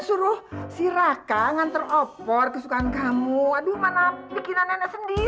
jangan coba coba mendekat